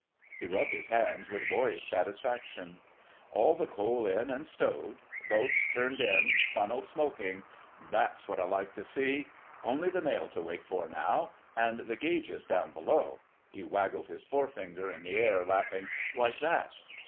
He rubbed his hands with boyish satisfaction. "All the coal in and stowed—boats turned in, funnels smoking—that's what I like to see! Only the mail to wait for now: and the gauges down below"—he waggled his forefinger in the air, laughing,—"like that...!"